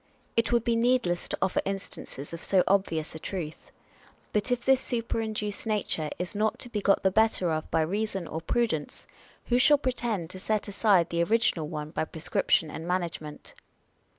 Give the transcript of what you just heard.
It would be needless to offer instances of so obvious a truth. But if this superinduced nature is not to be got the better of by reason or prudence, who shall pretend to set aside the original one by prescrip tion and management?